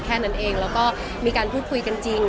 แค่นั้นเองแล้วก็มีการพูดคุยกันจริง